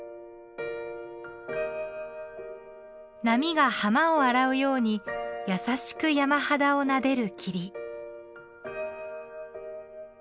波が浜を洗うように優しく山肌をなでる霧。